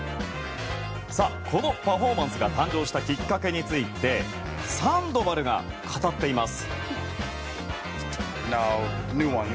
このパフォーマンスが誕生したきっかけについてサンドバルが語っています。